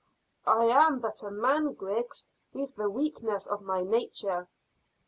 "I am but a man, Griggs, with the weaknesses of my nature."